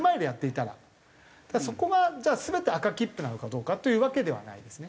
ただそこはじゃあ全て赤切符なのかどうかというわけではないですね。